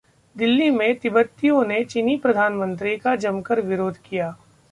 दिल्ली में तिब्बतियों ने चीनी प्रधानमंत्री का जमकर विरोध किया